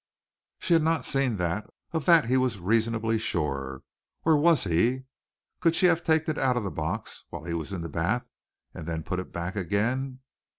She had not seen that of that he was reasonably sure or was he? Could she have taken it out of the box while he was in the bath and then put it back again?